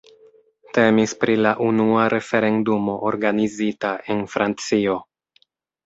Temis pri la unua referendumo organizita en Francio.